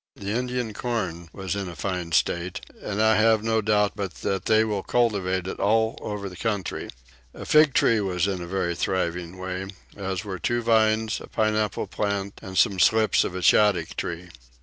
The Indian corn was in a fine state and I have no doubt but they will cultivate it all over the country. A fig tree was in a very thriving way, as were two vines, a pineapple plant, and some slips of a shaddock tree.